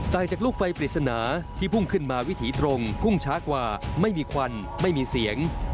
จากลูกไฟปริศนาที่พุ่งขึ้นมาวิถีตรงพุ่งช้ากว่าไม่มีควันไม่มีเสียง